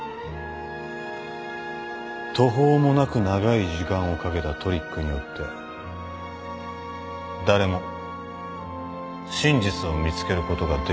途方もなく長い時間をかけたトリックによって誰も真実を見つけることができなくなってしまったんだ。